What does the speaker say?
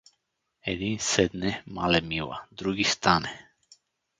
Един седне, мале мила, други стане.